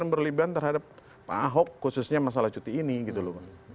jangan perlu ada kekhawatiran berlibat terhadap pak ahok khususnya masalah cuti ini gitu loh